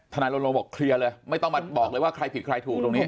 นายโรงบอกเคลียร์เลยไม่ต้องมาบอกเลยว่าใครผิดใครถูกตรงนี้